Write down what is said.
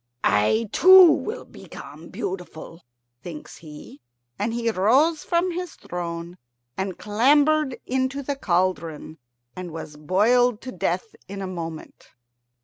"I too will become beautiful," thinks he, and he rose from his throne and clambered into the cauldron, and was boiled to death in a moment.